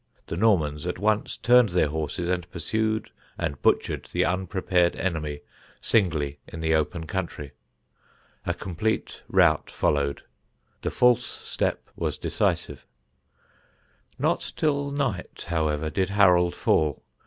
The Normans at once turned their horses and pursued and butchered the unprepared enemy singly in the open country. A complete rout followed. The false step was decisive. [Sidenote: THE DEATH OF HAROLD] Not till night, however, did Harold fall.